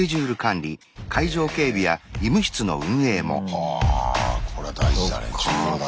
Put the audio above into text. はあこれは大事だね重要だね。